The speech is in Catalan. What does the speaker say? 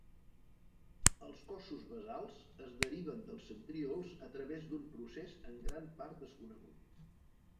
Els cossos basals es deriven dels centríols a través d'un procés en gran part desconegut.